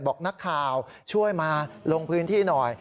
บอกนักข่าวช่วยมาลงพื้นที่หน่อย